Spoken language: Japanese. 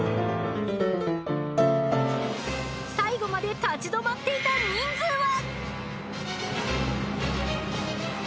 ［最後まで立ち止まっていた人数は！？］